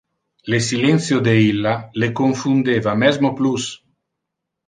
Le silentio de illa le confundeva mesmo plus.